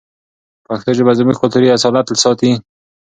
پښتو ژبه زموږ کلتوري اصالت ساتي.